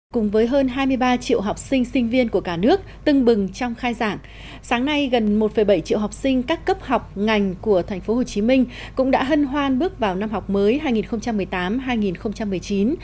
cùng với hơn hai mươi ba triệu học sinh sinh viên của cả nước tưng bừng trong khai giảng sáng nay gần một bảy triệu học sinh các cấp học ngành của tp hcm cũng đã hân hoan bước vào năm học mới hai nghìn một mươi tám hai nghìn một mươi chín